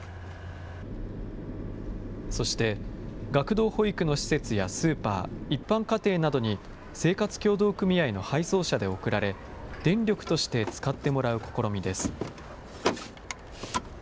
そして、学童保育の施設やスーパー、一般家庭などに、生活協同組合の配送車で送られ、電力として使ってもらう試みです。